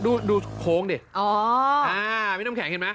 ดูดูโค้งดิอ๋ออ่าพี่น้ำแข็งเห็นไหม